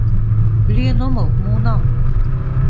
Лӱен омыл, муынам!